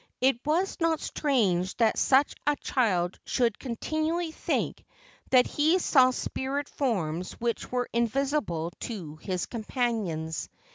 It was not strange that such a child should continually think that he saw spirit forms which were invisible to his companions.